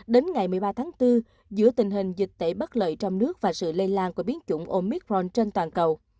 đến ngày một mươi ba tháng bốn giữa tình hình dịch tễ bất lợi trong nước và sự lây lan của biến chủng omic ron trên toàn cầu